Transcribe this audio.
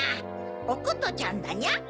おことちゃんだニャ。